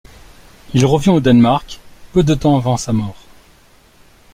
Il revient au Danemark peu de temps avant sa mort.